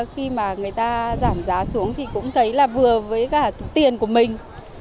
khi mà người ta giảm giá xuống thì cũng thấy là vừa với cả tiền của mình